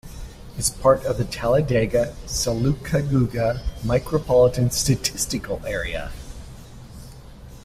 It is part of the Talladega-Sylacauga Micropolitan Statistical Area.